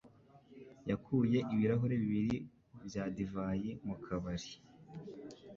yakuye ibirahuri bibiri bya divayi mu kabari.